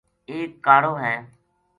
ایک کاڑو ہے